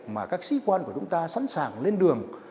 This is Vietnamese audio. mà các sĩ quan của chúng ta sẵn sàng lên đường